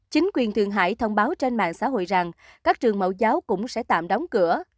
chính quyền thượng hải thông báo trên mạng xã hội rằng các trường mẫu giáo cũng sẽ tạm đóng cửa